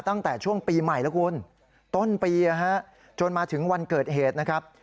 ตั้งแต่ช่วงปีใหม่แล้วคุณต้นปีจนมาถึงวันเกิดเหตุนะครับ